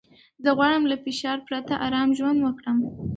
زه غواړم له فشار پرته ارامه ژوند وکړم.